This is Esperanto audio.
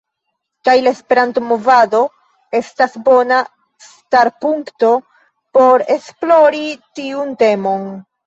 Kaj la Esperanto-movado estas bona starpunkto por esplori tiun temon.